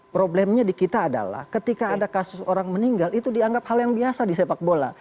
problemnya di kita adalah ketika ada kasus orang meninggal itu dianggap hal yang biasa di sepak bola